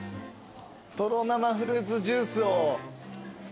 とろ生フルーツジュースを２つ。